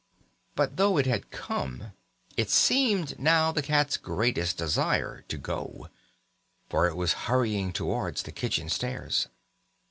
But though it had come, it seemed now the cat's greatest desire to go, for it was hurrying towards the kitchen stairs.